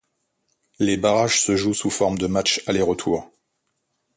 Les barrages se jouent sous forme de matchs aller-retour.